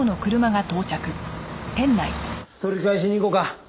取り返しに行こか。